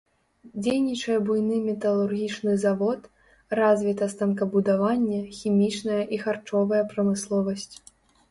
Дзейнічае буйны металургічны завод, развіта станкабудаванне, хімічная і харчовая прамысловасць.